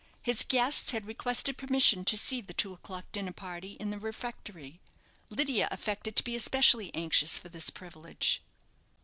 His guests had requested permission to see the two o'clock dinner party in the refectory. Lydia affected to be especially anxious for this privilege.